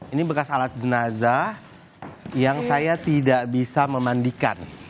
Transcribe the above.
ini bekas alat jenazah yang saya tidak bisa memandikan